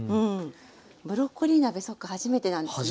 ブロッコリー鍋そっか初めてなんですよね。